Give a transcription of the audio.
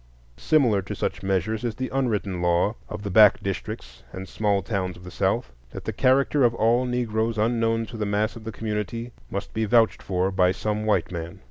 Similar to such measures is the unwritten law of the back districts and small towns of the South, that the character of all Negroes unknown to the mass of the community must be vouched for by some white man.